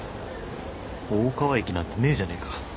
大川駅なんてねえじゃねえか